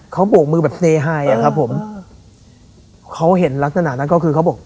เขาโบกมือแบบเซไฮอะครับผมเขาเห็นลักษณะนั้นก็คือเขาบอก